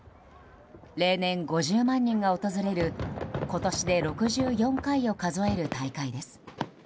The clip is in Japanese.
例年５０万人が訪れる今年で６４回を数える大会です。